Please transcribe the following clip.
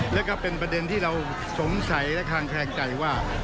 แล้วก็เป็นประเด็นที่เราสงสัยและคางแคลงใจว่า